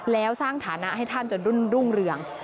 แล้วสร้างฐานะให้ท่านจนรุ่งเรือง